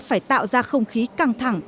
phải tạo ra không khí căng thẳng